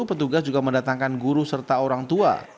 petugas juga mendatangkan guru serta orang tua